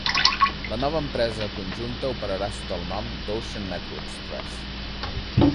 La nova empresa conjunta operarà sota el nom d'"Ocean Network Express".